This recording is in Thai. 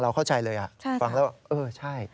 เราเข้าใจเลยอ่ะ